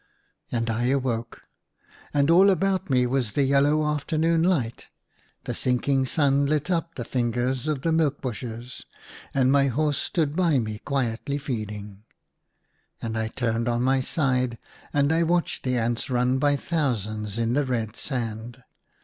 And I awoke ; and all about me was the yellow afternoon light : the sinking sun lit up the fingers of the milk bushes ; and my horse stood by me quietly feed ing. And I turned on my side, and I watched the ants run by thousands in the red sand.